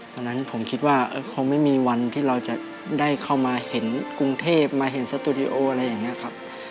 ตอนนั้นผมคิดว่าคงไม่มีวันที่เราจะได้เข้ามาเห็นกรุงเทพมาเห็นสตูดิโออะไรอย่างนี้ครับ